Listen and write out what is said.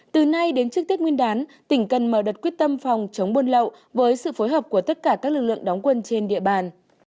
từ nay đến trước tết nguyên đán tỉnh cần mở đợt quyết tâm phòng chống buôn lậu với sự phối hợp của tất cả các lực lượng đóng quân trên địa bàn